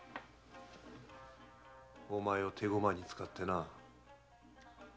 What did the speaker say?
おまえを手駒に使ってな。